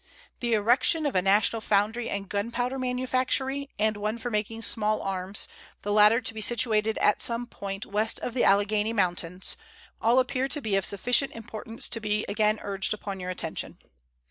The erection of a national foundry and gunpowder manufactory, and one for making small arms, the latter to be situated at some point west of the Allegany Mountains, all appear to be of sufficient importance to be again urged upon your attention.